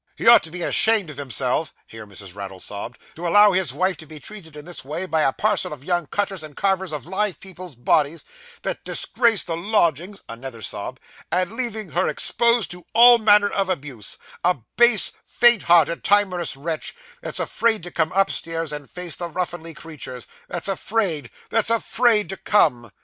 He ought to be ashamed of himself (here Mrs. Raddle sobbed) to allow his wife to be treated in this way by a parcel of young cutters and carvers of live people's bodies, that disgraces the lodgings (another sob), and leaving her exposed to all manner of abuse; a base, faint hearted, timorous wretch, that's afraid to come upstairs, and face the ruffinly creatures that's afraid that's afraid to come!